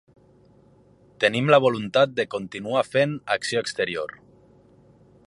Tenim la voluntat de continuar fent acció exterior.